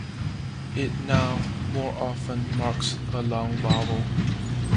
It now more often marks a long vowel.